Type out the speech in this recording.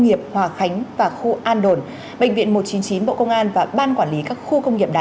nghiệp hòa khánh và khu an đồn bệnh viện một trăm chín mươi chín bộ công an và ban quản lý các khu công nghiệp đà